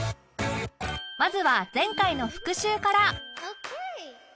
まずは前回の復習から